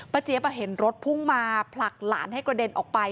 เจี๊ยบเห็นรถพุ่งมาผลักหลานให้กระเด็นออกไป